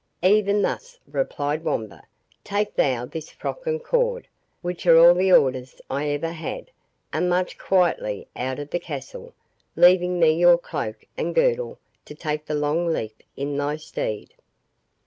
"Even thus," replied Wamba; "take thou this frock and cord, which are all the orders I ever had, and march quietly out of the castle, leaving me your cloak and girdle to take the long leap in thy stead."